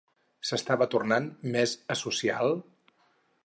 S'estava tornant més asocial?